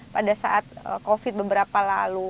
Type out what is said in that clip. pada saat covid beberapa lalu